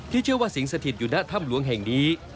เชื่อว่าสิงสถิตอยู่หน้าถ้ำหลวงแห่งนี้